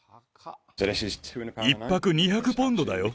１泊２００ポンドだよ。